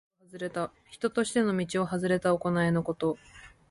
人としての道をはずれた行いのこと。